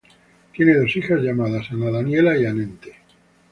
Tiene dos hijas llamadas Ana Daniela y Annette.